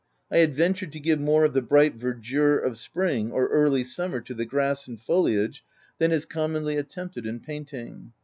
I had ventured to give more of the bright verdure of spring or early summer to the grass and foliage, than is commonly attempted in painting.